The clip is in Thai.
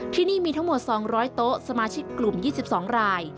ที่นี่มีทั้งหมด๒๐๐โต๊ะสมาชิกกลุ่ม๒๒ราย